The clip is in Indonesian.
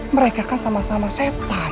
mereka kan sama sama setan